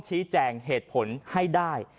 ชี้แจงเหตุผลให้ได้